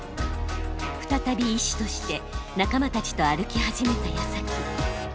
再び医師として仲間たちと歩き始めたやさき。